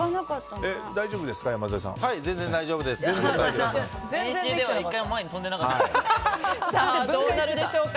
大丈夫ですか？